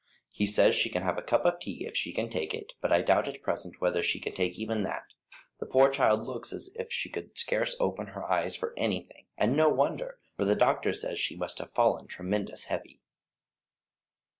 He says she can have a cup of tea if she can take it, but I doubt at present whether she can take even that; the poor child looks as if she could scarce open her eyes for anything, and no wonder, for the doctor says she must have fallen tremendous heavy."